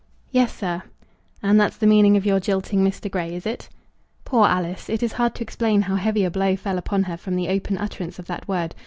"Yes, sir." "And that's the meaning of your jilting Mr. Grey, is it?" Poor Alice! It is hard to explain how heavy a blow fell upon her from the open utterance of that word!